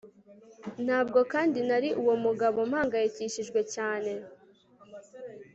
Ntabwo kandi nari uwo mugabo mpangayikishijwe cyane